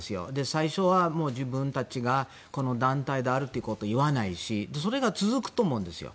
最初は自分たちがこの団体であるということを言わないしそれが続くと思うんですよ。